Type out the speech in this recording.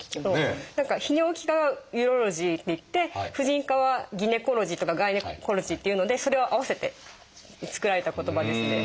泌尿器科は「ウロロジー」っていって婦人科は「ギネコロジー」とか「ガイネコロジー」っていうのでそれを合わせて作られた言葉ですね。